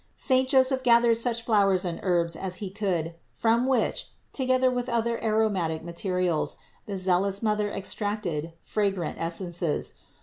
Saint Joseph gath 2 26 366 CITY OF GOD ered such flowers and herbs as he could find from which, together with other aromatic materials, the zealous Mother extracted fragrant essences.